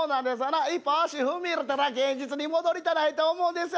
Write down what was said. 一歩足踏み入れたら現実に戻りたないと思うんですわ。